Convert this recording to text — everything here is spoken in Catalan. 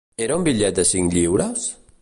Era un bitllet de cinc lliures?